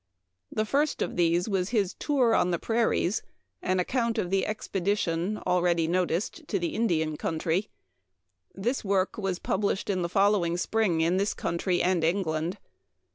The first of these was his " Tour on the Prairies ;" an account of the expe dition, already noticed, to the Indian country. This work was published in the following spring in this country and England.